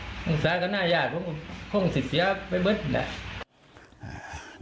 ทุกคนเราจากขนาดหน้าญาตฐิพังสิทธิเศียแบบไหม